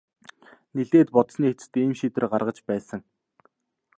Нэлээд бодсоны эцэст ийм шийдвэр гаргаж байсан.